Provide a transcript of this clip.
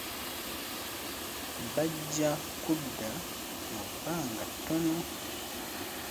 Bajja kudda mu bbanga ttono.